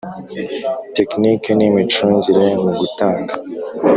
tekiniki n imicungire mu gutanga